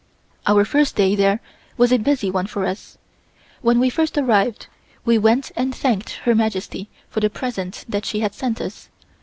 Our first day there was a busy one for us. When we first arrived we went and thanked Her Majesty for the present that she had sent us.